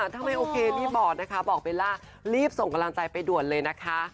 ถ้าไม่โอเครีบบอกนะคะบอกเบลล่ารีบส่งกำลังใจไปด่วนเลยนะคะ